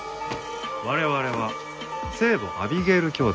我々は聖母アビゲイル教団。